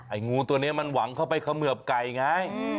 งูตัวนี้มันหวังเข้าไปเขมือบไก่ไง